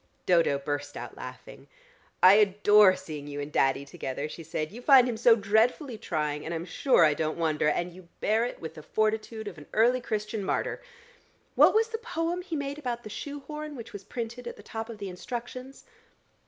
'" Dodo burst out laughing. "I adore seeing you and Daddy together," she said. "You find him so dreadfully trying, and I'm sure I don't wonder, and you bear it with the fortitude of an early Christian martyr. What was the poem he made about the shoe horn which was printed at the top of the instructions?"